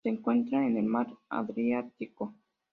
Se encuentra en el Mar Adriático.